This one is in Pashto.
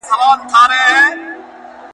يوه ورځ د بلي مور ده.